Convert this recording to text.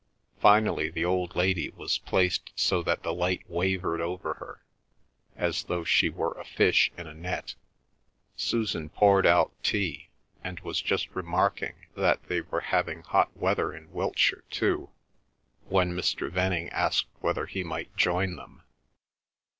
Finally the old lady was placed so that the light wavered over her, as though she were a fish in a net. Susan poured out tea, and was just remarking that they were having hot weather in Wiltshire too, when Mr. Venning asked whether he might join them.